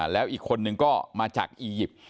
แล้วอีกคนนึงก็มาจากอียิปต์